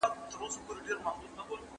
¬ چي ډېرى سي، مردارى سي.